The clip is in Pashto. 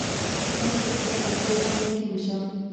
باید پر خپله پښتو باندې ټینګ شم.